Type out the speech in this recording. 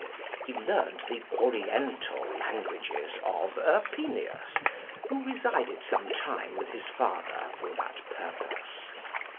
He learned the Oriental languages of Erpenius, who resided some time with his father for that purpose.